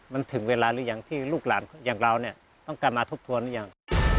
มันถึงเวลาหรือยังที่ลูกหลานอย่างเราเนี่ยต้องการมาทบทวนหรือยัง